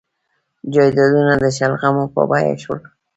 جایدادونه د شلغمو په بیه شول.